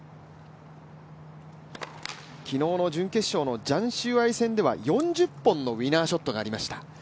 昨日の準決勝のジャン・シューアイ戦では４０本のウィナーショットがありました。